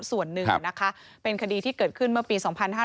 ส่วนหนึ่งนะคะเป็นคดีที่เกิดขึ้นเมื่อปี๒๕๕๙